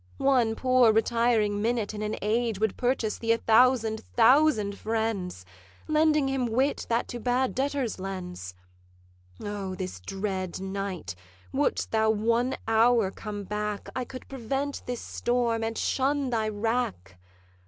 One poor retiring minute in an age Would purchase thee a thousand thousand friends, Lending him wit that to bad debtors lends: O, this dread night, wouldst thou one hour come back, I could prevent this storm and shun thy wrack!